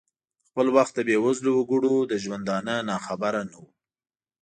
د خپل وخت د بې وزلو وګړو له ژوندانه ناخبره نه ؤ.